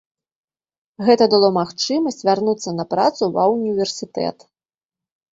Гэта дало магчымасць вярнуцца на працу ва ўніверсітэт.